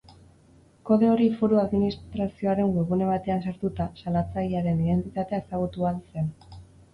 Kode hori foru administrazioaren webgune batean sartuta, salatzailearen identitatea ezagutu ahal zen.